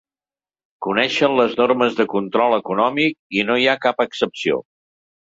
Coneixen les normes de control econòmic i no hi ha cap excepció.